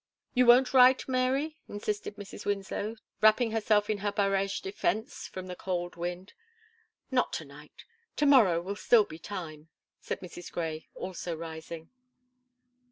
"You won't write, Mary?" insisted Mrs. Winslow, wrapping herself in her barège defence from the cold wind. "Not to night; to morrow will still be time," said Mrs. Grey, also rising.